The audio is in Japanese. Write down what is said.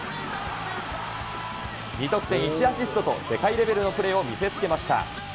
２得点１アシストと、世界レベルのプレーを見せつけました。